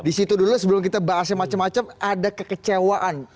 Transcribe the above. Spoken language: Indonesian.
di situ dulu sebelum kita bahasnya macam macam ada kekecewaan